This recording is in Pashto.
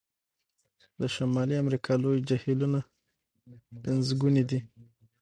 د شمالي امریکا لوی جهیلونه پنځګوني دي.